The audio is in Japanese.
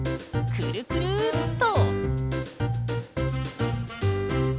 くるくるっと！